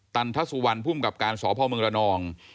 ตันทสวรรค์ภูมิกับการศพรน